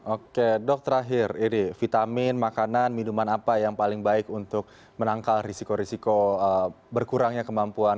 oke dok terakhir ini vitamin makanan minuman apa yang paling baik untuk menangkal risiko risiko berkurangnya kemampuan